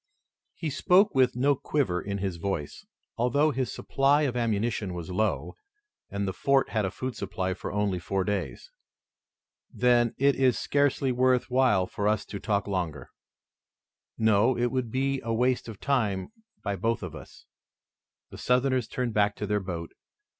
He spoke with no quiver in his voice, although his supply of ammunition was low, and the fort had a food supply for only four days. "Then it is scarcely worth while for us to talk longer." "No, it would be a waste of time by both of us." The Southerners turned back to their boat.